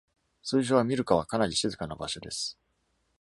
通常は、ミルカはかなり静かな場所です。